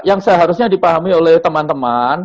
yang seharusnya dipahami oleh teman teman